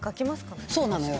そうなのよ。